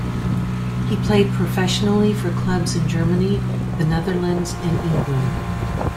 He played professionally for clubs in Germany, the Netherlands and England.